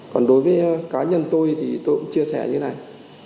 còn đối với cá nhân tôi thì tôi cũng chia sẻ như thế này